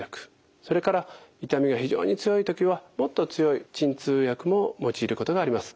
それから痛みが非常に強い時はもっと強い鎮痛薬も用いることがあります。